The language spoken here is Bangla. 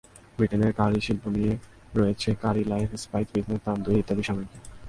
ব্রিটেনে কারি শিল্প নিয়ে রয়েছে curry life, spice business, tandoori ইত্যাদি সাময়িকীও।